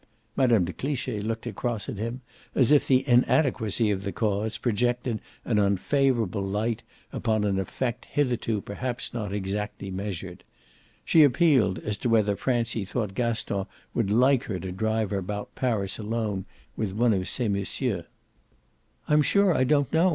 Mme. de Cliche looked across at him as if the inadequacy of the cause projected an unfavourable light upon an effect hitherto perhaps not exactly measured; she appealed as to whether Francie thought Gaston would like her to drive about Paris alone with one of ces messieurs. "I'm sure I don't know.